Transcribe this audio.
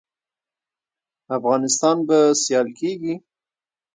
افغانستان به سیال کیږي؟